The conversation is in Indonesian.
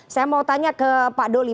saya mau tanya ke pak doli